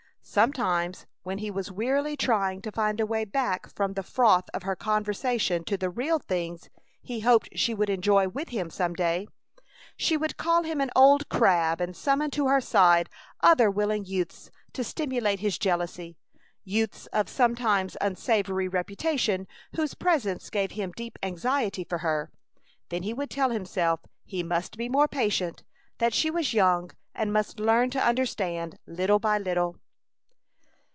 Sometimes when he was wearily trying to find a way back from the froth of her conversation to the real things he hoped she would enjoy with him some day, she would call him an old crab, and summon to her side other willing youths to stimulate his jealousy; youths of sometimes unsavory reputation whose presence gave him deep anxiety for her. Then he would tell himself he must be more patient, that she was young and must learn to understand little by little.